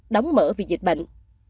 đóng mở vì dịch bệnh